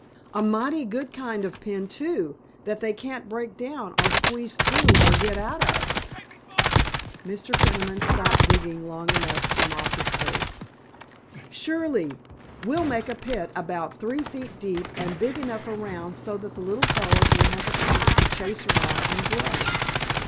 A mighty good kind of a pen, too, that they can't break down or squeeze through or get out of." Mr. Peniman stopped digging long enough to mop his face. "Surely! We'll make a pit about three feet deep, and big enough around so that the little fellows will have a chance to chase around and grow.